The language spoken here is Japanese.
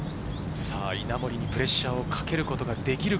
稲森にプレッシャーをかけることができるか。